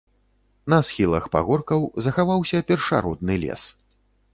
На схілах пагоркаў захаваўся першародны лес.